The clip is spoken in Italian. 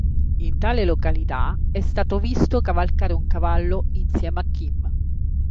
In tale località è stato visto cavalcare un cavallo insieme a Kim.